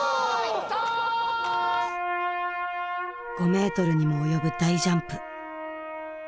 ５メートルにも及ぶ大ジャンプ